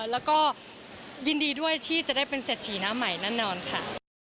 แล้วก็ยินดีด้วยที่จะได้เป็นเศรษฐีหน้าใหม่แน่นอนค่ะ